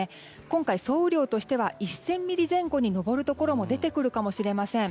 今回、総雨量としては１０００ミリ前後に上るところも出てくるかもしれません。